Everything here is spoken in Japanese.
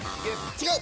違う！